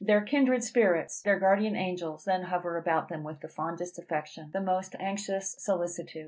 Their kindred spirits, their guardian angels then hover about them with the fondest affection, the most anxious solicitude.